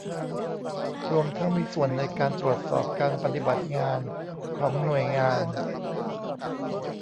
รวมทั้งมีส่วนในการตรวจสอบการปฏิบัติงานของหน่วยงาน